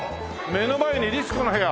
目の前に「りつこの部屋」！